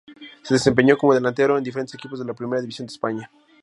Se desempeñó como delantero en diferentes equipos de la Primera División de España.